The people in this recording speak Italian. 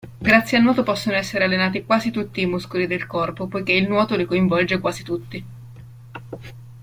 Grazie al nuoto possono essere allenati quasi tutti i muscoli del corpo, poiché il nuoto li coinvolge quasi tutti.